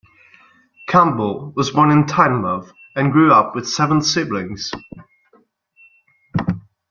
Campbell was born in Tynemouth, and grew up with seven siblings.